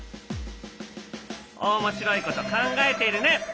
おもしろいこと考えているね。